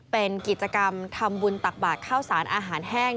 เป็นกิจกรรมทำบุญตักบาทข้าวสารอาหารแห้ง